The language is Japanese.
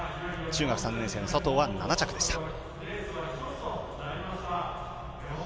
中学３年生の佐藤は７着でした。